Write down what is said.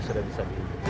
ya sudah bisa